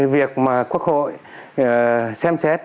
việc mà quốc hội xem xét